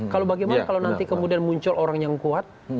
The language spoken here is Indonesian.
kalau bagaimana kalau nanti kemudian muncul orang yang kuat